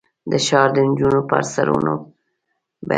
د ښار د نجونو پر سرونو به ،